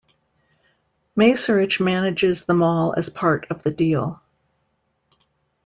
Macerich manages the mall as part of the deal.